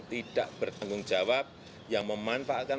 tidak bertanggung jawab yang memanfaatkan